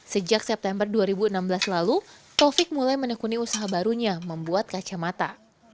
sejak september dua ribu enam belas lalu taufik mulai menekuni usaha barunya membuat kacamata